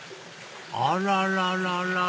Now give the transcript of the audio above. あらららら！